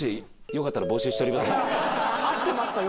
合ってましたよ。